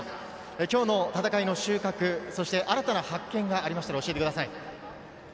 今日の戦いの収穫、そして新たな発見はありましたら教えてください。